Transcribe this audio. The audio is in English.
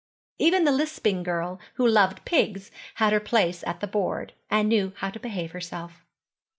Even the lisping girl who loved pigs had her place at the board, and knew how to behave herself.